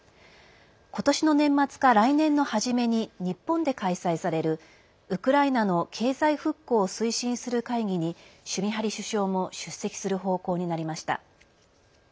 今年の年末か来年の初めに日本で開催されるウクライナの経済復興を推進する会議にシュミハリ首相も出席する方向になりました。